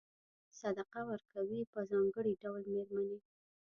صدقه ورکوي په ځانګړي ډول مېرمنې.